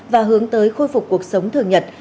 và hướng tới khôi phục cuộc sống thường nhật